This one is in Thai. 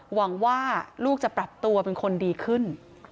หวังว่าลูกจะปรับตัวเป็นคนดีขึ้น